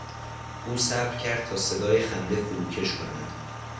او صبر کرد تا صدای خنده فروکش کند.